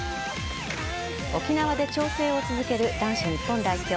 沖縄で調整を続ける男子日本代表。